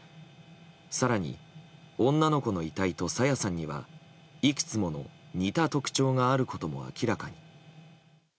更に、女の子の遺体と朝芽さんにはいくつもの似た特徴があることも明らかに。